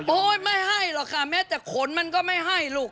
โอ้ยไม่ให้ล่ะค่ะแม้แต่มันก็ไม่ให้ลูก